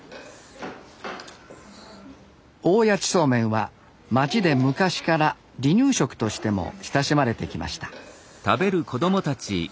大矢知そうめんは街で昔から離乳食としても親しまれてきました。